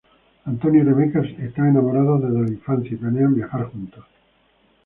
Antonio y Rebeca son enamorados desde la infancia y planean viajar juntos.